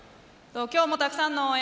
今日もたくさんの応援